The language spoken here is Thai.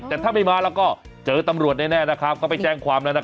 แต่ถ้าไม่มาแล้วก็เจอตำรวจแน่นะครับก็ไปแจ้งความแล้วนะครับ